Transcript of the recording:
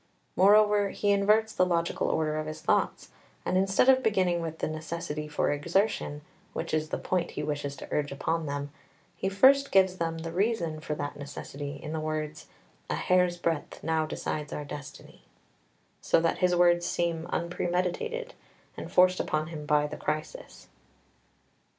Moreover, he inverts the logical order of his thoughts, and instead of beginning with the necessity for exertion, which is the point he wishes to urge upon them, he first gives them the reason for that necessity in the words, "a hair's breadth now decides our destiny," so that his words seem unpremeditated, and forced upon him by the crisis.